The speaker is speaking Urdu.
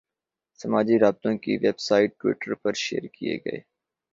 سماجی رابطوں کی ویب سائٹ ٹوئٹر پر شیئر کیے گئے